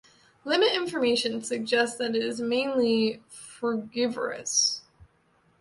Limit information suggests that it is mainly frugivorous.